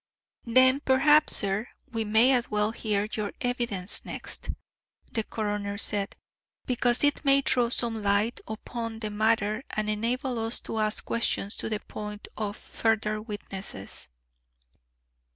"Then perhaps, sir, we may as well hear your evidence next," the coroner said, "because it may throw some light upon the matter and enable us to ask questions to the point of further witnesses."